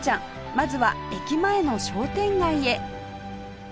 まずは駅前の商店街へ